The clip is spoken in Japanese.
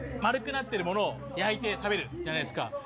丸くなっているものを焼いて食べるじゃないですか、普通。